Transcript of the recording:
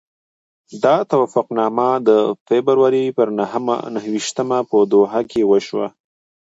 دا توافقنامه د فبروري پر نهه ویشتمه په دوحه کې وشوه.